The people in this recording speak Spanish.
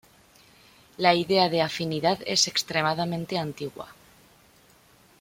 La idea de "afinidad" es extremadamente antigua.